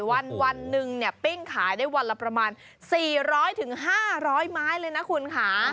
วันหนึ่งเนี่ยปิ้งขายได้วันละประมาณ๔๐๐๕๐๐ไม้เลยนะคุณค่ะ